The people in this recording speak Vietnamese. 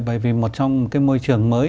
bởi vì một trong cái môi trường mới